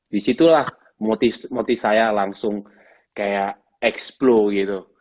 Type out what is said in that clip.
di situ motif saya langsung terbang